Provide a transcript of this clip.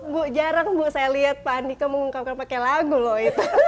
bu jarang bu saya lihat pak andika mengungkapkan pakai lagu loh